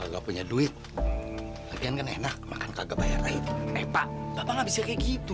enggak punya duit enggak enak makan kagak bayar air mbak bapak nggak bisa kayak gitu